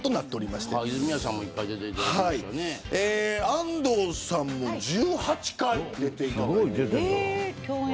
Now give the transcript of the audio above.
安藤さんも１８回出ていただいてる。